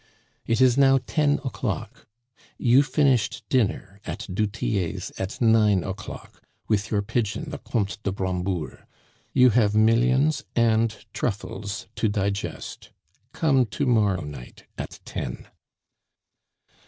"It is now ten o'clock. You finished dinner at du Tillet's at nine o'clock, with your pigeon the Comte de Brambourg; you have millions and truffles to digest. Come to morrow night at ten."